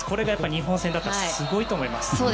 日本戦だとすごいと思います。